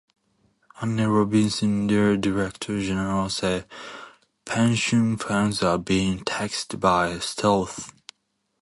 Anne Robinson, their director general said pension funds are being "taxed by stealth".